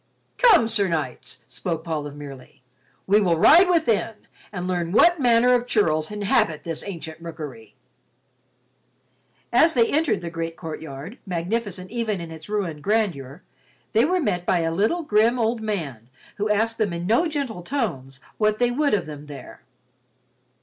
"Come, Sir Knights," spoke Paul of Merely, "we will ride within and learn what manner of churls inhabit this ancient rookery." As they entered the great courtyard, magnificent even in its ruined grandeur, they were met by a little, grim old man who asked them in no gentle tones what they would of them there.